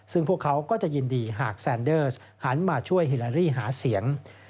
ซึ่งพวกเขาก็จะยินดีหากแซนเดอร์สหันมาช่วยฮิลารี่หาเสียง